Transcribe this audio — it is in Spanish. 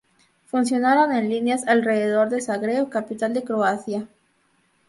Funcionaron en líneas alrededor de Zagreb, capital de Croacia.